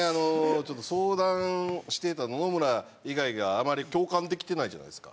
ちょっと相談してた野々村以外があまり共感できてないじゃないですか。